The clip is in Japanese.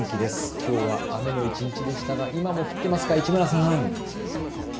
きょうは雨の一日でしたが今も降っていますか、市村さん。